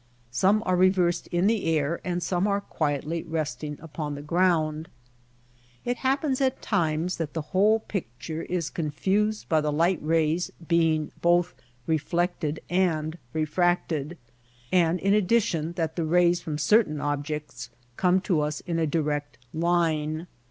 Some are reversed in the air and some are quietly resting upon the ground. It happens at times that the whole picture is confused by the light rays being both reflected and refracted, and in addition that the rays from certain objects come to us in a direct line.